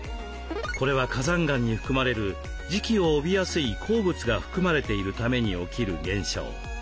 これは火山岩に含まれる磁気を帯びやすい鉱物が含まれているために起きる現象。